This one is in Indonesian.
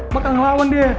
kok kangen lawan dia